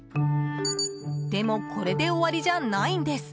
でも、これで終わりじゃないんです。